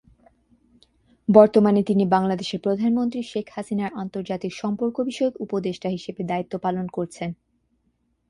বর্তমানে তিনি বাংলাদেশের প্রধানমন্ত্রী শেখ হাসিনার আন্তর্জাতিক সম্পর্ক বিষয়ক উপদেষ্টা হিসেবে দায়িত্ব পালন করছেন।